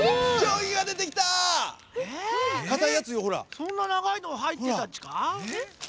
そんなながいのはいってたっちか？